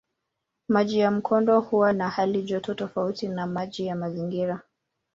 Maji ya mkondo huwa na halijoto tofauti na maji ya mazingira.